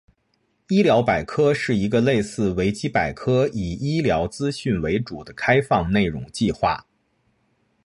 医疗百科是一个类似维基百科以医疗资讯为主的开放内容计划。